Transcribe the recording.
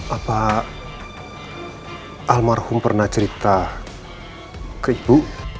apa almarhum pernah cerita ke ibu